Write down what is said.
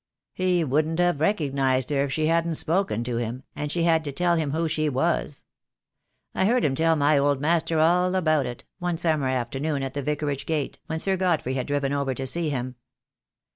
He wouldn't have recognized her if she hadn't spoken to him, and she had to tell him who she was. I heard him tell my old master all about it, one summer afternoon at the Vicarage gate, when Sir Godfrey had driven over to see him.